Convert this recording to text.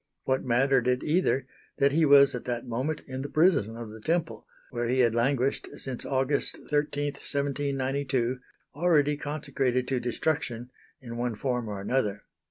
What mattered it either that he was at that moment in the prison of the Temple, where he had languished since August 13, 1792, already consecrated to destruction, in one form or another.